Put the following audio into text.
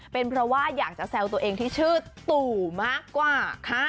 เป็นเพราะว่าอยากจะแซวตัวเองที่ชื่อตู่มากกว่าค่ะ